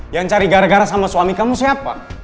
yang cari gara gara sama suami kamu siapa